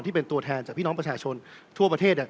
ที่เป็นตัวแทนจากพี่น้องประชาชนทั่วประเทศ